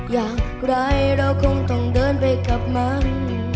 อย่างไรเราคงต้องเดินไปกับมัน